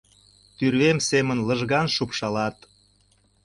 Тÿрвем семын лыжган шупшалат.